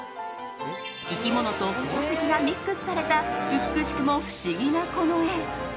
生き物と宝石がミックスされた美しくも不思議なこの絵。